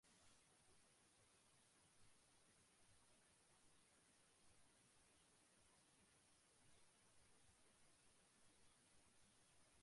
পাশাপাশি E I C T দক্ষিণ ও দক্ষিণ-পূর্ব এশিয়ার সঙ্গে উত্তম যোগাযোগ ব্যবস্থা স্থাপনে সহায়তা করবে বলেও মনে করেন তারা।